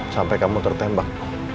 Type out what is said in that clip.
sampai kamu tertembak